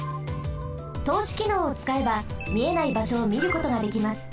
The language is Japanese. とうしきのうをつかえばみえないばしょをみることができます。